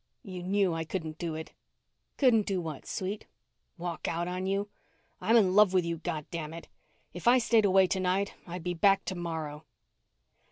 "You knew I couldn't do it." "Couldn't do what, sweet?" "Walk out on you. I'm in love with you, goddamn it. If I stayed away tonight, I'd be back tomorrow."